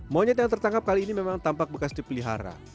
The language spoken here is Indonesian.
monyet yang tertangkap kali ini memang tampak bekas dipelihara